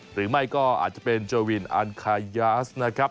หรือไม่ก็อาจจะเป็นโจวินอันคายาสนะครับ